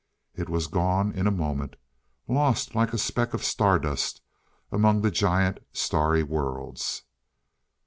It was gone in a moment, lost like a speck of star dust among the giant starry worlds.